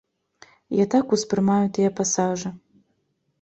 Я так успрымаю тыя пасажы.